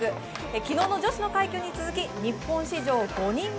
昨日の女子の快挙に続き、日本史上５人目。